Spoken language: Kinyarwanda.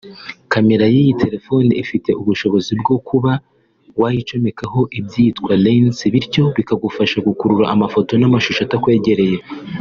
Camera y’iyi telefone ifite ubushobozi bwo kuba wayicomekaho ibyitwa “Lens” bityo bikagufasha gukurura amafoto n’amashusho atakwegereye